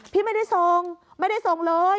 พี่ไม่ได้ส่งไม่ได้ส่งเลย